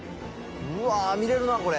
うわぁ見れるなこれ。